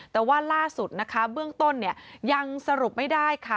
แต่ว่าล่าสุดนะคะเบื้องต้นเนี่ยยังสรุปไม่ได้ค่ะ